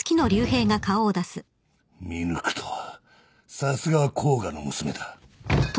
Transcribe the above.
見抜くとはさすが甲賀の娘だ。